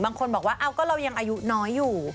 บางคนบอกว่าก็เรายังอายุน้อยอยู่